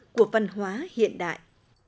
của văn hoá hiện đại